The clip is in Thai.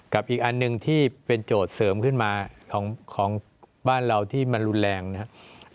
อีกอันหนึ่งที่เป็นโจทย์เสริมขึ้นมาของบ้านเราที่มันรุนแรงนะครับ